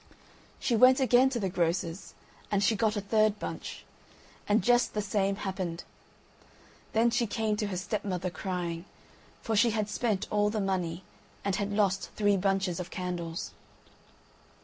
She went again to the grocer's, and she got a third bunch; and just the same happened. Then she came to her stepmother crying, for she had spent all the money and had lost three bunches of candles.